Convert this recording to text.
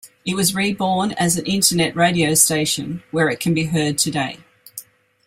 It was reborn as an Internet radio station where it can be heard today.